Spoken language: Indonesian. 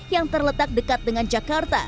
yang terletak dekat dengan jakarta